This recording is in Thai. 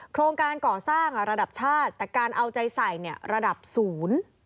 โครงการก่อสร้างระดับชาติแต่การเอาใจใส่เนี่ยระดับศูนย์